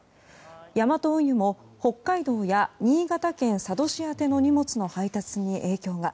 ヤマト運輸も北海道や新潟県佐渡市宛ての荷物の配達に影響が。